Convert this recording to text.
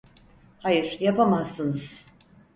Hayır, yapamazsınız.